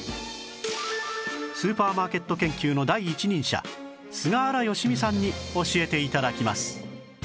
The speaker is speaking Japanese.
スーパーマーケット研究の第一人者菅原佳己さんに教えて頂きます